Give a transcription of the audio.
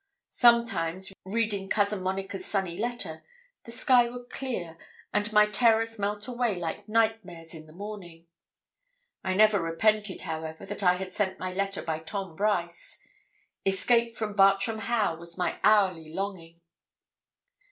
Sometimes, reading Cousin Monica's sunny letter, the sky would clear, and my terrors melt away like nightmares in the morning. I never repented, however, that I had sent my letter by Tom Brice. Escape from Bartram Haugh was my hourly longing.